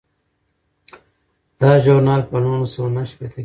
دا ژورنال په نولس سوه نهه شپیته کې جوړ شو.